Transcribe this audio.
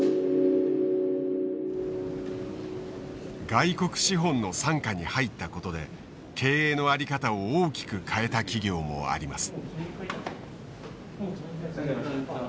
外国資本の傘下に入ったことで経営の在り方を大きく変えた企業もあります。